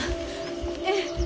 ええ。